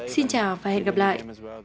xin chào và hẹn gặp lại